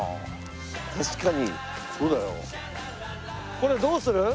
これどうする？